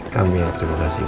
kami yang terima kasih bu